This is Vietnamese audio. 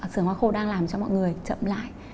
sườn hoa khô đang làm cho mọi người chậm lại